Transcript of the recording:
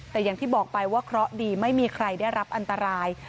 แต่อย่างที่บอกไปว่าเคราะห์ดีไม่มีใครได้รับอันตราย